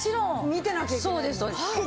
見てなきゃいけないですもん。